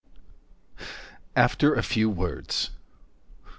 After a Few Words